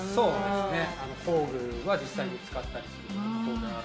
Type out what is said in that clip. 工具は実際に使ったりするこ